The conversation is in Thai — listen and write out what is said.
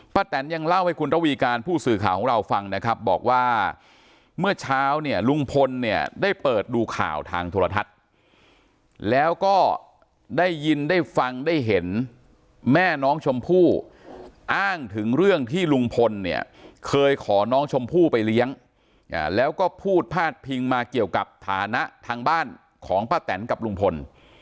แตนยังเล่าให้คุณระวีการผู้สื่อข่าวของเราฟังนะครับบอกว่าเมื่อเช้าเนี่ยลุงพลเนี่ยได้เปิดดูข่าวทางโทรทัศน์แล้วก็ได้ยินได้ฟังได้เห็นแม่น้องชมพู่อ้างถึงเรื่องที่ลุงพลเนี่ยเคยขอน้องชมพู่ไปเลี้ยงแล้วก็พูดพาดพิงมาเกี่ยวกับฐานะทางบ้านของป้าแตนกับลุงพล